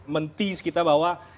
mentis kita bahwa